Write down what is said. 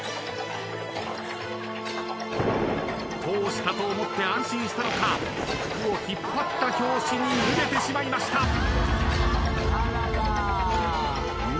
通したと思って安心したのか服を引っ張った拍子に脱げてしまいました。